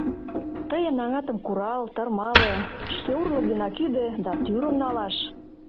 Тыйын аҥатым курал, тырма ле, шке урлык денак ӱдӧ да тӱрым налаш.